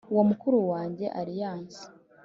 ubwo mukuru wanjye aliyanse